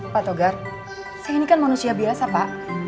pak togar saya ini kan manusia biasa pak